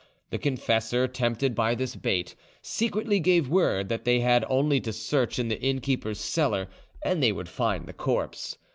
The confessor, tempted by this bait, secretly gave word that they had only to search in the innkeeper's cellar and they would find the corpse.